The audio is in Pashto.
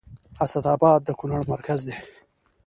اسداباد د کونړ مرکز دی